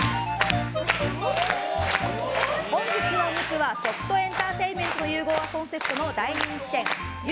本日のお肉は食とエンターテインメントの融合がコンセプトの大人気店牛